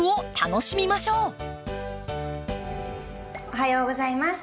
おはようございます。